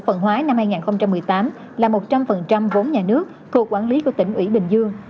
phần hóa năm hai nghìn một mươi tám là một trăm linh vốn nhà nước thuộc quản lý của tỉnh ủy bình dương